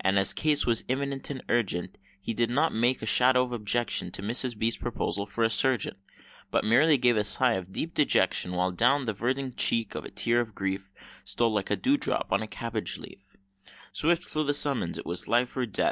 And as the case was imminent and urgent, He did not make a shadow of objection To Mrs. B.'s proposal for a "surgent," But merely gave a sigh of deep dejection, While down the verdant cheek a tear of grief Stole, like a dew drop on a cabbage leaf. Swift flew the summons, it was life or death!